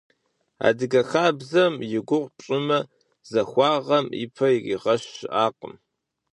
Адыгэ хабзэм и гугъу пщӀымэ – захуагъэм и пэ иригъэщ щыӀакъым.